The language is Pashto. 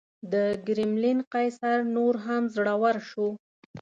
د کرملین قیصر نور هم زړور شو.